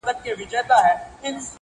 خر د خوني په مابین کي په نڅا سو.!